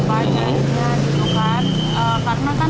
banyak yang dikeluhkan